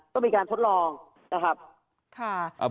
ต้องมีการทดลองนะครับ